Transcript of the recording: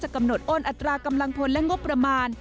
กำหนดอ้นอัตรากำลังพลและงบประมาณ